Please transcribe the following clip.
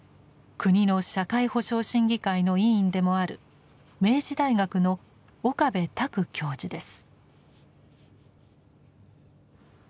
国の社会保障審議会の委員でもある明治大学の岡部卓教授です。